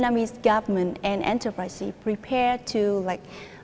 những chuyện sẽ thay đổi